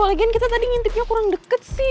lagian kita tadi ngintipnya kurang deket sih